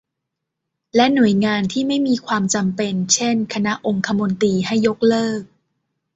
และหน่วยงานที่ไม่มีความจำเป็น เช่น คณะองคมนตรี ให้ยกเลิก